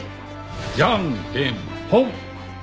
じゃんけんぽん！